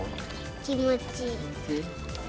気持ちいい。